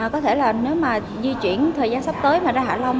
có thể là nếu mà di chuyển thời gian sắp tới mà ra hạ long